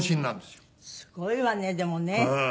すごいわねでもね。